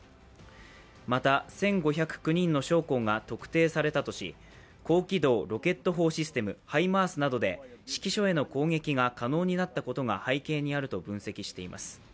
また１５０９人の将校が特定されたとし、高機動ロケット砲システムハイマースなどで指揮所への攻撃が可能になったことが背景にあると分析しています。